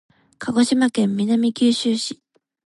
鹿児島県南九州市